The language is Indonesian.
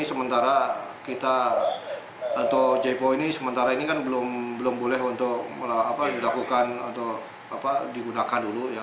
sementara kita atau jpo ini sementara ini kan belum boleh untuk dilakukan atau digunakan dulu ya